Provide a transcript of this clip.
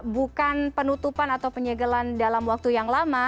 bukan penutupan atau penyegelan dalam waktu yang lama